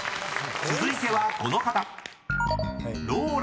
［続いてはこの方］